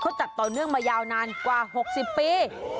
เขาจัดต่อเนื่องมายาวนานกว่า๖๐ปี